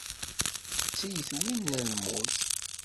D tiyitwin n lmut.